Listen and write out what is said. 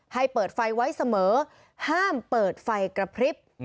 ให้เปิดไฟไว้เสมอห้ามเปิดไฟกระพริบ